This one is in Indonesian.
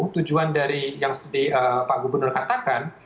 tujuan dari yang pak gubernur katakan